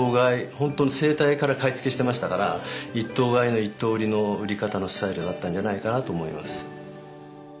ほんとに生体から買い付けしてましたから一頭買いの一頭売りの売り方のスタイルだったんじゃないかなと思います。